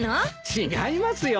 違いますよ。